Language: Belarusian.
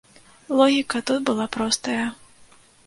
Логіка тут была простая.